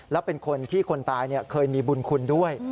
และเป็นคนที่คนตายเคยมีบุญคุณด้วย